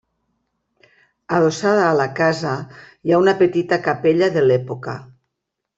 Adossada a la casa hi ha una petita capella de l'època.